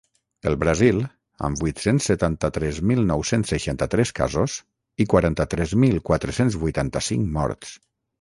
El Brasil, amb vuit-cents setanta-tres mil nou-cents seixanta-tres casos i quaranta-tres mil quatre-cents vuitanta-cinc morts.